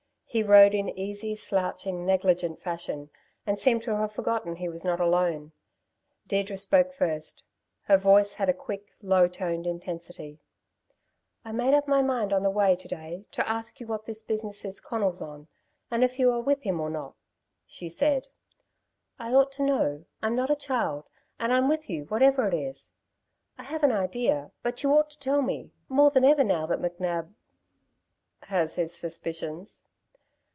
He rode in easy, slouching, negligent fashion, and seemed to have forgotten he was not alone. Deirdre spoke first. Her voice had a quick, low toned intensity. "I made up my mind on the way, to day, to ask you what this business is Conal's on, and if you are with him, or not?" she said. "I ought to know. I'm not a child, and I'm with you whatever it is. I have an idea; but you ought to tell me, more than ever now that McNab " "Has his suspicions."